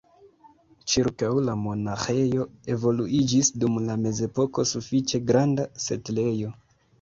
Ĉirkaŭ la monaĥejo evoluiĝis dum la mezepoko sufiĉe granda setlejo.